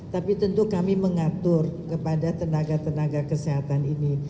tapi tentu kami mengatur kepada tenaga tenaga kesehatan ini